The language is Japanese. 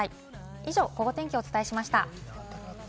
以上、ゴゴ天気をお伝えしました。